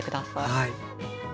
はい。